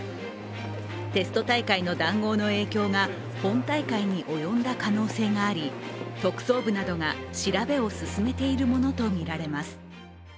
テスト大会の談合の影響が本大会に及んだ可能性があり特捜部などが調べを進めているものとみられます。